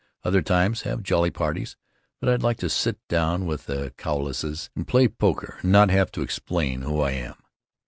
Other times have jolly parties, but I'd like to sit down with the Cowleses and play poker and not have to explain who I am.